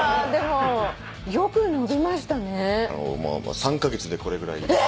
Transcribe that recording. ３カ月でこれぐらい。え！？